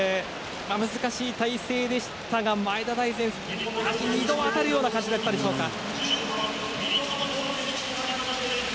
難しい体勢でしたが、前田大然２度、足に当たるような感じだったでしょうか。